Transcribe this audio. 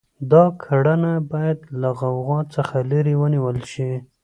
دا کړنه باید له غوغا څخه لرې ونیول شي.